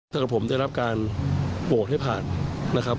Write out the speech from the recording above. ถ้าเกิดผมได้รับการโหวตให้ผ่านนะครับ